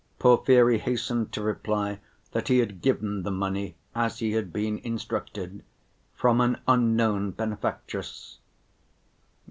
Porfiry hastened to reply that he had given the money, as he had been instructed, "from an unknown benefactress."